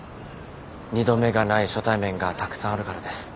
二度目がない初対面がたくさんあるからです。